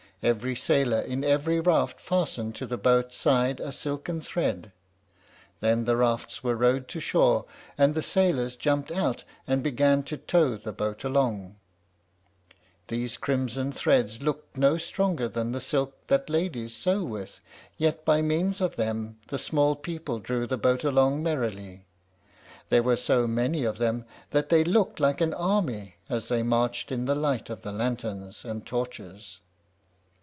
Every sailor in every raft fastened to the boat's side a silken thread; then the rafts were rowed to shore, and the sailors jumped out, and began to tow the boat along. [Illustration: A STORY. PAGE 106.] These crimson threads looked no stronger than the silk that ladies sew with, yet by means of them the small people drew the boat along merrily. There were so many of them that they looked like an army as they marched in the light of the lanterns and torches.